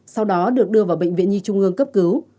sau đó được đưa vào bệnh viện nhi trung ương cấp cứu